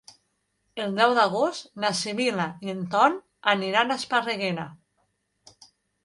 El deu d'agost na Sibil·la i en Ton aniran a Esparreguera.